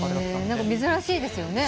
珍しいですよね。